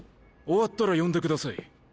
終わったら呼んでください。